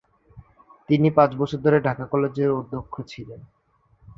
তিনি পাঁচ বছর ধরে ঢাকা কলেজের অধ্যক্ষ ছিলেন।